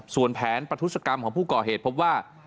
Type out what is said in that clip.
ส่วนแผนประทุศกรรมของผู้ก่อเหตุพบว่า